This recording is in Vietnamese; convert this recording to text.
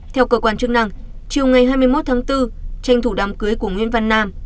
theo cơ quan chức năng chiều ngày hai mươi một tháng bốn tranh thủ đám cưới của nguyễn văn nam